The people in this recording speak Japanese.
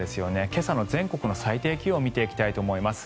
今朝の全国の最低気温を見ていきたいと思います。